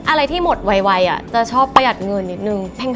อะไรที่หมดไวจะชอบประหยัดเงินนิดนึง